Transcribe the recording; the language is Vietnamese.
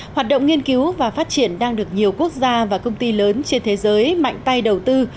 hoạt động nghiên cứu và phát triển đang được nhiều quốc gia và công ty lớn trên thế giới mạnh tay đầu tư